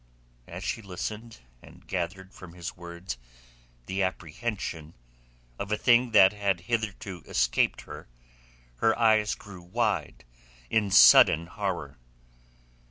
As she listened and gathered from his words the apprehension of a thing that had hitherto escaped her, her eyes grew wide in sudden horror.